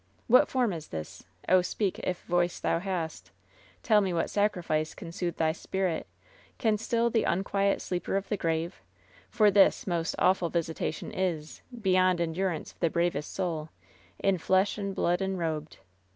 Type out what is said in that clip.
What form is this ? Oh, speak if voice thou hast I Tell me what sacrifice can soothe thy spirit^ Can still the unquiet sleeper of the grave; For this most awful visitation is Beyond endurance of the bravest soul In flesh and blood enrobed.